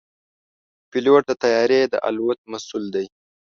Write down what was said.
پيلوټ د طیارې د الوت مسؤل دی.